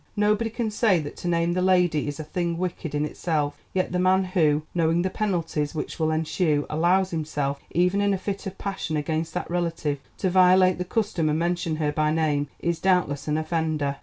Nobody can say that to name the lady is a thing wicked in itself; yet the man who, knowing the penalties which will ensue, allows himself, even in a fit of passion against that relative, to violate the custom and mention her by name is doubtless an offender.